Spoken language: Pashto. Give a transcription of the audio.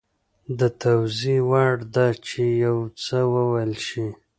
د توضیح وړ ده چې یو څه وویل شي